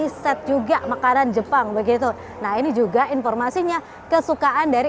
pablo solo ada japanese set juga makanan jepang begitu nah ini juga informasinya kesukaan dari